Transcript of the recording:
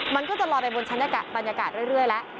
มันก็จะรอในบนชั้นบรรยากาศเรื่อยแล้ว